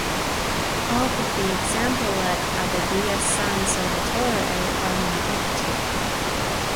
All but the example at Abbadia San Salvatore are now empty.